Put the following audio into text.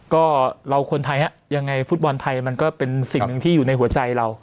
ก็เราคนไทยฮะยังไงฟุตบอลไทยมันก็เป็นสิ่งหนึ่งที่อยู่ในหัวใจเรา